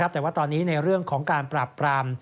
แต่ว่าตอนนี้ในเรื่องของการปราบปราม